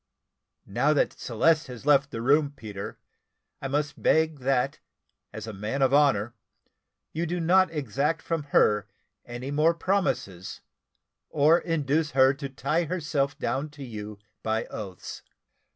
Now that Celeste has left the room, Peter, I must beg that, as a man of honour, you do not exact from her any more promises, or induce her to tie herself down to you by oaths.